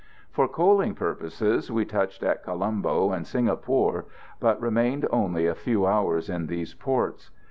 For coaling purposes we touched at Colombo and Singapore, but remained only a few hours in these ports.